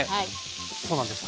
そうなんですか？